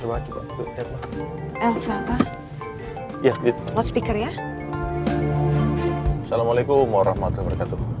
assalamualaikum warahmatullahi wabarakatuh